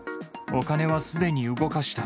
お金はすでに動かした。